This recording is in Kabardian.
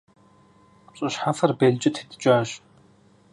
ЩӀы щхьэфэр белкӀэ тетӀыкӀащ.